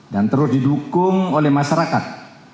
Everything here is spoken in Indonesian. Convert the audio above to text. dan terus didukung oleh masyarakat